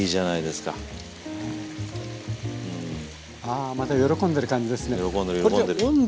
あまた喜んでる感じですね。